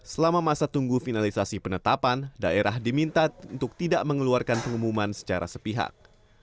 selama masa tunggu finalisasi penetapan daerah diminta untuk tidak mengeluarkan pengumuman secara sepihak